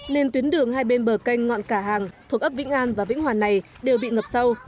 nên tuyến đường hai bên bờ canh ngọn cả hàng thuộc ấp vĩnh an và vĩnh hoàn này đều bị ngập sâu